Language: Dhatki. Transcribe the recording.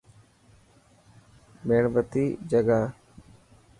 يڻ بتي جگا.